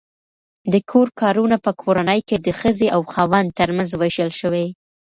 د کور کارونه په کورنۍ کې د ښځې او خاوند ترمنځ وېشل شوي.